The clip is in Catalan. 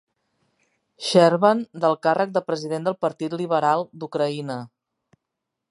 Scherban del càrrec de president del Partit Liberal d'Ucraïna.